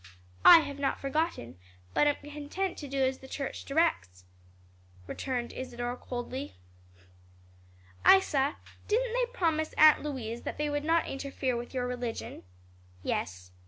'" "I have not forgotten, but am content to do as the church directs," returned Isadore, coldly. "Isa, didn't they promise Aunt Louise that they would not interfere with your religion?" "Yes."